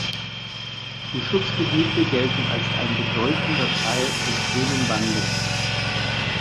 Die Schutzgebiete gelten als ein bedeutender Teil des „Grünen Bandes“.